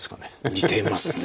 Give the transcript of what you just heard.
似てますね。